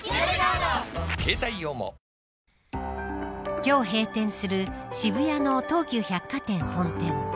今日、閉店する渋谷の東急百貨店本店。